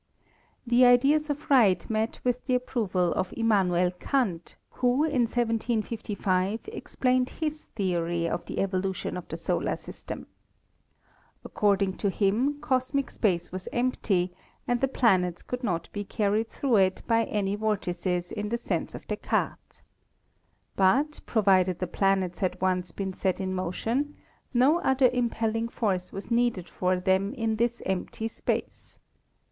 The ideas of Wright met with the approval of Im manuel Kant, who in 1755 explained his theory of the evo lution of the solar system. According to him, cosmic space was empty, and the planets could not be carried through it by any vortices in the sense of Descartes. But, provided the planets had once been set in motion, no other impelling force was needed for them in this empty space.